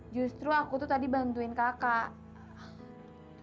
justru aku tuh tadi bantuin kakak